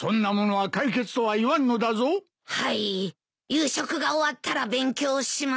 夕食が終わったら勉強します。